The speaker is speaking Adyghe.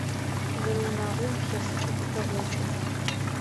Зэрэунагъоу илъэсыкӏэм тыпэгъокӏы.